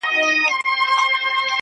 پرده به خود نو، گناه خوره سي.